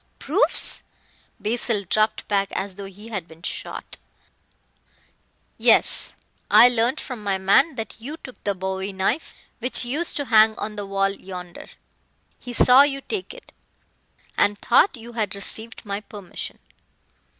"Proofs?" Basil dropped back as though he had been shot. "Yes. I learned from my man that you took the bowie knife which used to hang on the wall yonder. He saw you take it, and thought you had received my permission.